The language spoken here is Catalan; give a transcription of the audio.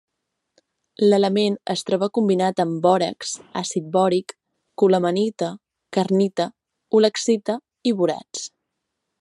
L'element es troba combinat amb bòrax, àcid bòric, colemanita, kernita, ulexita i borats.